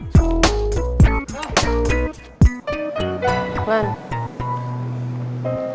lu kenapa sih